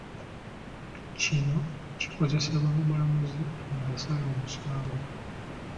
Kino kikozesebwa mulamuzi ng’asala omusango.